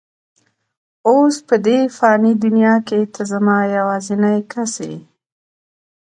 اوس په دې فاني دنیا کې ته زما یوازینۍ کس یې.